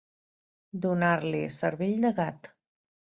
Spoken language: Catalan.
Donar-li cervell de gat.